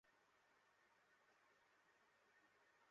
তোমার ভাই হায়দারকেও পড়ার জন্যে আমেরিকায় পাঠিয়েছিলাম।